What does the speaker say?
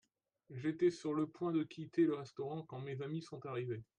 J’étais sur le point de quitter le restaurant quand mes amis sont arrivés.